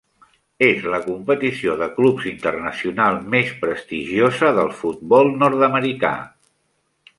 És la competició de clubs internacional més prestigiosa del futbol nord-americà.